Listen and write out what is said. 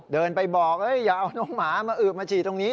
เดินไปบอกอย่าเอาน้องหมามาอืดมาฉี่ตรงนี้